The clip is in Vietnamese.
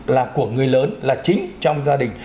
là của người lớn là chính trong gia đình